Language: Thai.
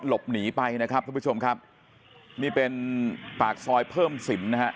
หลบหนีไปนะครับทุกผู้ชมครับนี่เป็นปากซอยเพิ่มสินนะฮะ